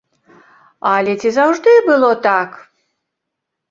Але ці заўжды было так?